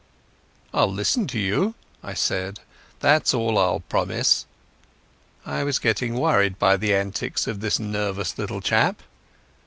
"I'll listen to you," I said. "That's all I'll promise." I was getting worried by the antics of this nervous little chap.